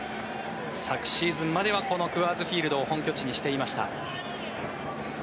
昨シーズンまではこのクアーズ・フィールドを本拠地にしていました。